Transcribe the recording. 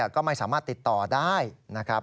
ก็ไม่สามารถติดต่อได้นะครับ